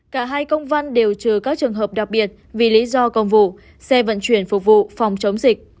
cả hai công văn đều trừ các trường hợp đặc biệt vì lý do công vụ xe vận chuyển phục vụ phòng chống dịch